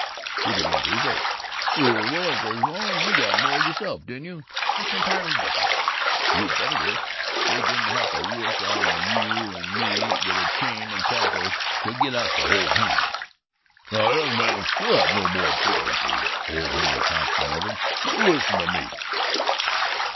He began to revolt. "Gee whittakers, Rone, you got married yourself, didn't you?" "That's entirely different." "You bet it is! They didn't have to work on Eu and me with a chain and tackle to get us to hold hands!" "Now, young man, we'll have no more flippancy," old Henry Thompson ordered. "You listen to me."